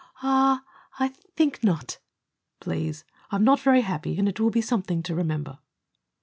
"I I think not." "Please! I'm not very happy, and it will be something to remember."